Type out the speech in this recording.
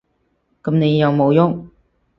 噉你有無郁？